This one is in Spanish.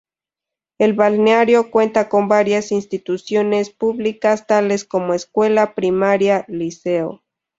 El balneario cuenta con varias instituciones públicas tales como escuela primaria, liceo.